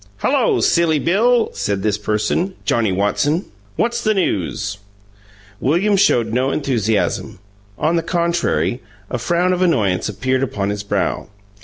"H'lo, Silly Bill!" said this person, halting beside William Sylvanus Baxter. "What's the news?" William showed no enthusiasm; on the contrary, a frown of annoyance appeared upon his brow.